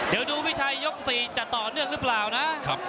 เดี๋ยวดูพี่ชัยยก๔จะต่อเนื่องหรือเปล่านะ